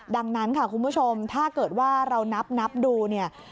ดังนั้นค่ะคุณผู้ชมถ้าเกิดว่าเรานับดูเนี่ย